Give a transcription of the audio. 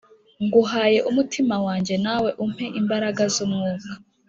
Nguhaye umutima wanjye nawe umpe imbaraga z’umwuka